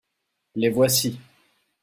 les voici.